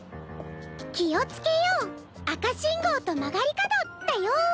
「気をつけよう赤信号と曲がり角」だよ。